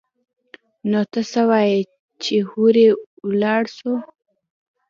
نو ته څه وايي چې هورې ولاړ سو.